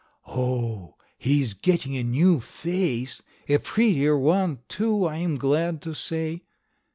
"Oh! he is getting a new face. A prettier one, too, I am glad to say."